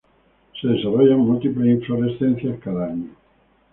Se desarrollan múltiples inflorescencias cada año.